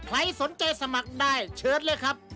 ใครสนใจสมัครได้เชิญเลยครับ